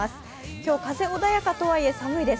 今日風穏やかとはいえ寒いです。